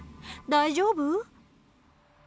大丈夫？